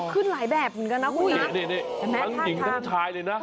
ขึ้นหลายแบบเหมือนกันนะคุณทั้งหญิงทั้งชายเลยนะ